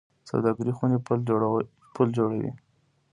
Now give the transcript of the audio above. سوداګرۍ خونې پل جوړوي